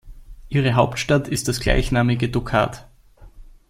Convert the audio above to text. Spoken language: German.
Ihre Hauptstadt ist das gleichnamige Tokat.